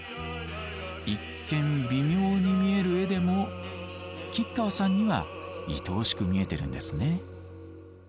一見微妙に見える絵でも吉川さんにはいとおしく見えてるんですね。